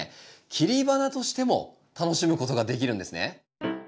切り花としても楽しむことができるんですね。